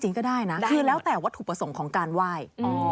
ก็ได้นะคือแล้วแต่วัตถุประสงค์ของการไหว้